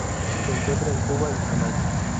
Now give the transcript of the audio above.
Se encuentra en Cuba y Jamaica.